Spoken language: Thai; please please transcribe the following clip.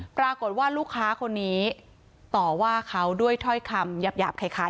ปรากฏว่าลูกค้าคนนี้ต่อว่าเขาด้วยถ้อยคำหยาบคล้าย